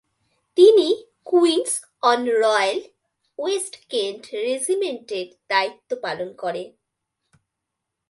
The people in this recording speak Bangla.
তিনি Queen's Own Royal West Kent রেজিমেন্টে দায়িত্বপালন করেছেন।